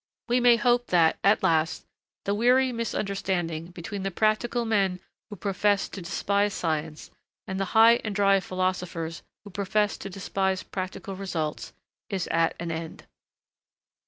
We may hope that, at last, the weary misunderstanding between the practical men who professed to despise science, and the high and dry philosophers who professed to despise practical results, is at an end.